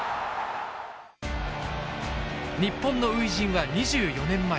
日本の初陣は２４年前。